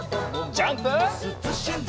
ジャンプ！